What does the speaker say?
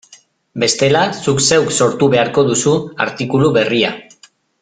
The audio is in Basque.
Bestela, zuk zeuk sortu beharko duzu artikulu berria.